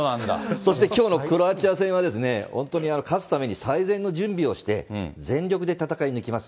そしてきょうのクロアチア戦は、本当に勝つために最善の準備をして、全力で戦い抜きます。